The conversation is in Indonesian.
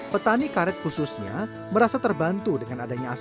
petani karet khususnya merasa terbantu dengan adanya asap